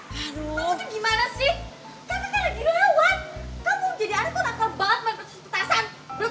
kamu tuh gimana sih kakak kan lagi lewat